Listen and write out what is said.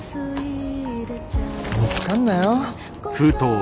見つかんなよ。